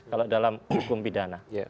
kalau dalam hukum pidana